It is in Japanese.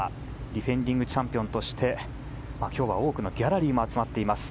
ディフェンディングチャンピオンとして今日は多くのギャラリーも集まっています。